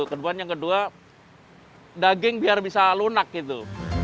kedua nya kedua daging biar bisa lunak gitu